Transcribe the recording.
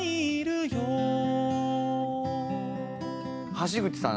橋口さん